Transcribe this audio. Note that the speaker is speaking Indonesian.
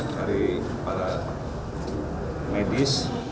dari para medis